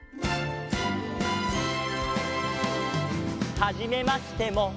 「はじめましても」